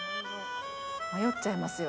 迷っちゃいますよね。